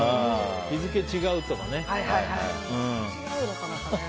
日付違うとかね。